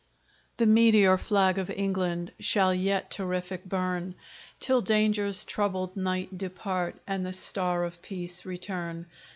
The meteor flag of England Shall yet terrific burn, Till danger's troubled night depart, And the star of peace return.